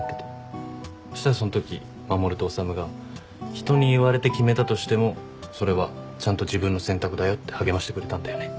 したらそんとき守と修が人に言われて決めたとしてもそれはちゃんと自分の選択だよって励ましてくれたんだよね。